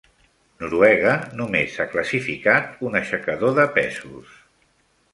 Noruega només ha classificat un aixecador de pesos.